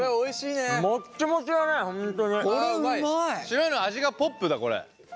白いの味がポップだこれ。